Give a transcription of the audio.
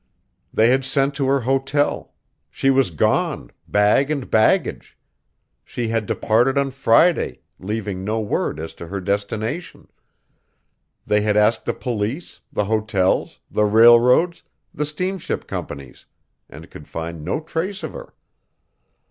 They had sent to her hotel; she was gone, bag and baggage. She had departed on Friday, leaving no word as to her destination. They had asked the police, the hotels, the railroads, the steamship companies and could find no trace of her.